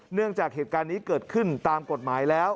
เนื่องจากเหตุการณ์นี้เกิดขึ้นตามกฎหมายแล้ว